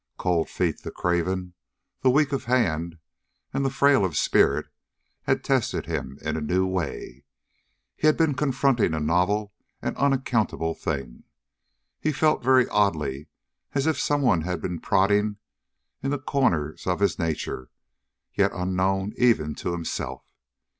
Cold Feet, the craven, the weak of hand and the frail of spirit, had tested him in a new way. He had been confronting a novel and unaccountable thing. He felt very oddly as if someone had been prodding into corners of his nature yet unknown even to himself.